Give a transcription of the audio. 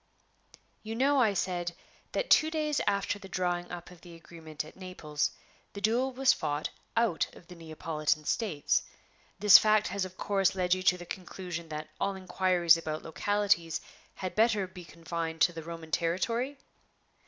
"You know," I said, "that two days after the drawing up of the agreement at Naples, the duel was fought out of the Neapolitan States. This fact has of course led you to the conclusion that all inquiries about localities had better be confined to the Roman territory?"